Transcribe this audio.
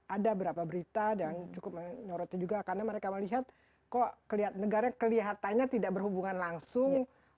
ada beberapa berita dan cukup menyoroti juga karena mereka melihat kok negara kelihatannya tidak berhubungan langsung